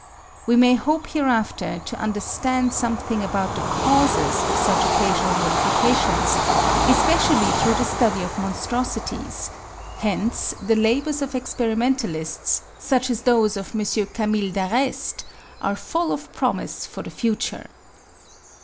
We may hope hereafter to understand something about the causes of such occasional modifications, especially through the study of monstrosities: hence the labours of experimentalists, such as those of M. Camille Dareste, are full of promise for the future.